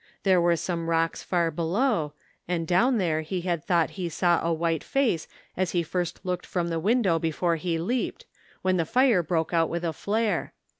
There were some rocks far below, and down there he had thought he saw a white face as he first looked from the window before he leaped, when the fire broke out with a flare.